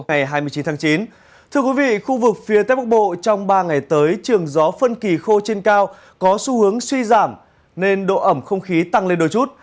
ngày hai mươi chín tháng chín khu vực phía tết bắc bộ trong ba ngày tới trường gió phân kỳ khô trên cao có xu hướng suy giảm nên độ ẩm không khí tăng lên đôi chút